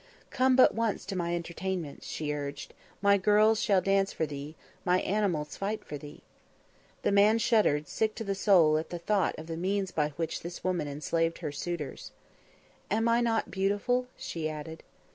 " Come but once to my entertainments," she urged. "My girls shall dance for thee, my animals fight for thee." The man shuddered, sick to the soul at the thought of the means by which this woman enslaved her suitors. "Am I not beautiful?" she added.